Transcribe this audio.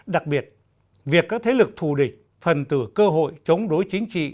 đặc biệt việc các thế lực thù địch phần từ cơ hội chống đối chính trị